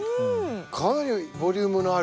かなりボリュームのある。